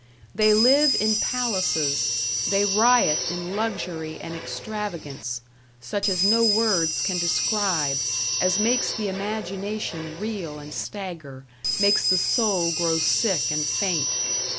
They live in palaces, they riot in luxury and extravagance such as no words can describe, as makes the imagination reel and stagger, makes the soul grow sick and faint.